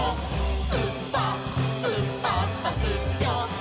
「すっぱすっぱっぱすっぴょ！」